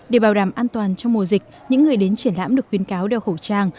để bảo đảm an toàn trong mùa dịch những người đến triển lãm được khuyến cáo đeo khẩu trang